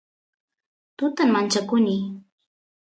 tutan manchakuni